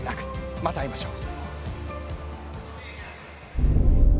また会いましょう。